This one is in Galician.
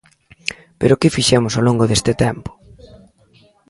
¿Pero que fixemos ao longo deste tempo?